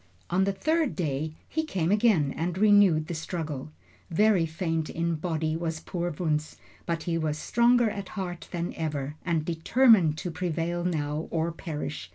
On the third day he came again and renewed the struggle. Very faint in body was poor Wunzh, but he was stronger at heart than ever, and determined to prevail now or perish.